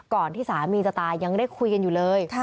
ที่สามีจะตายยังได้คุยกันอยู่เลย